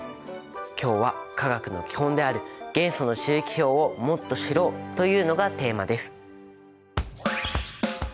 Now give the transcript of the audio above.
今日は化学の基本である元素の周期表をもっと知ろうというのがテーマです。